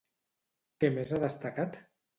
Què més ha destacat?